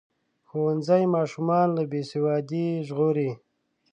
ښوونځی ماشومان له بې سوادۍ ژغوري.